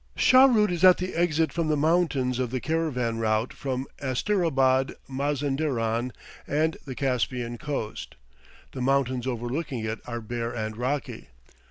Shahrood is at the exit from the mountains of the caravan route from Asterabad, Mazanderan, and the Caspian coast. The mountains overlooking it are bare and rocky.